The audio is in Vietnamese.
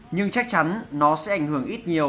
nhưng chắc chắn nó sẽ ảnh hưởng ít nhiều